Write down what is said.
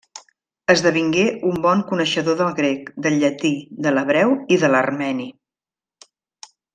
Esdevingué un bon coneixedor del grec, del llatí, de l'hebreu i de l'armeni.